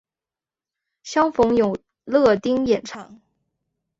相逢有乐町演唱。